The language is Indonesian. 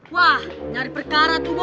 wah nyari perkara tuh bos